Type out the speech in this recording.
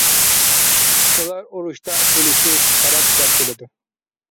ئۇلار ئۇرۇشتا ئۆلۈشنى شەرەپ دەپ بىلىدۇ.